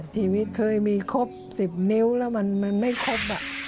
ชีวิตเคยมีครบ๑๐นิ้วแล้วมันไม่ครบ